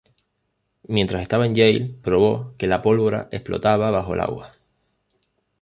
Mientras estaba en Yale, probó que la pólvora explotaba bajo el agua.